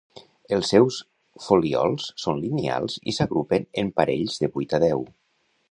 Els seus folíols són lineals i s'agrupen en parells de vuit a deu.